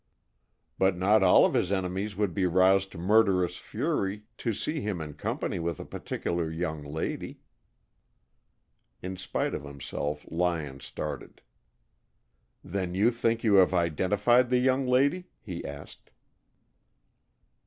"But not all of his enemies would be roused to murderous fury to see him in company with a particular young lady." In spite of himself, Lyon started. "Then you think you have identified the young lady?" he asked.